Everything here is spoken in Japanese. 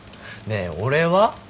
ねえ俺は？